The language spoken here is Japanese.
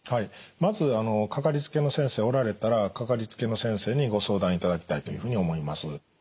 まずかかりつけの先生おられたらかかりつけの先生にご相談いただきたいというふうに思います。